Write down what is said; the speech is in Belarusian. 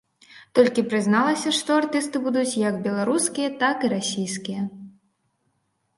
Толькі прызналася, што артысты будуць як беларускія, так і расійскія.